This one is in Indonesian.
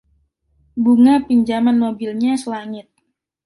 Bunga pinjaman mobilnya selangit.